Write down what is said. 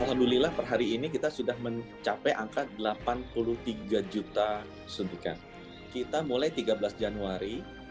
alhamdulillah per hari ini kita sudah mencapai angka delapan puluh tiga juta suntikan kita mulai tiga belas januari